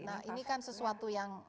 nah ini kan sesuatu